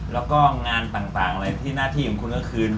แล้วก็งานต่างอะไรที่หน้าที่ของคุณก็คือ